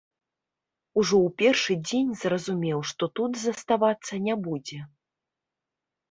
Ужо ў першы дзень зразумеў, што тут заставацца не будзе.